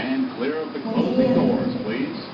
蒙蒂涅。